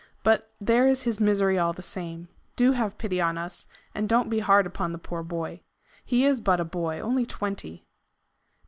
But there is his misery all the same. Do have pity on us, and don't be hard upon the poor boy. He is but a boy only twenty."